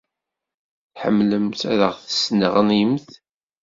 tḥemmlemt ad aɣ-tesneɣnimt.